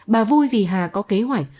bà vui vì hà có kế hoạch